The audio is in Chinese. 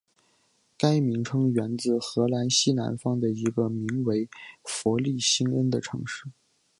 该名称源自荷兰西南方的一个名为弗利辛恩的城市。